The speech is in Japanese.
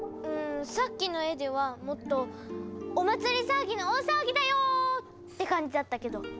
うんさっきの絵ではもっとお祭りさわぎの大さわぎだよ！って感じだったけど。